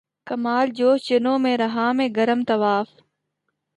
کمال جوش جنوں میں رہا میں گرم طواف